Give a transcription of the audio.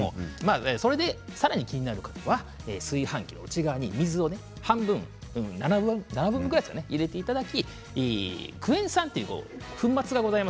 それで、さらに気になる方は炊飯器の内側に７分目ぐらい入れていただいてクエン酸という粉末がございます。